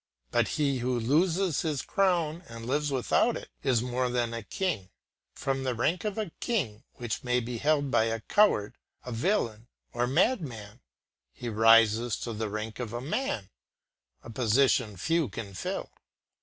But he who loses his crown and lives without it, is more than a king; from the rank of a king, which may be held by a coward, a villain, or madman, he rises to the rank of a man, a position few can fill.